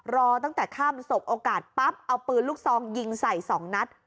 รอตั้งแต่ค่ำสบโอกาสปั๊บเอาปืนลูกซองยิงใส่๒นัด